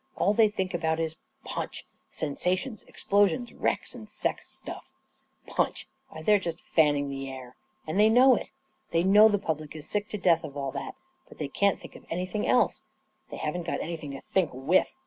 All they think about is * punch '— sensations, ex plosions, wrecks, and sex stuff. Punch I Why, they're just fanning the air! And they know it! They know the public is sick to death of all that, but they can't think of anything else I They haven't got anything to think with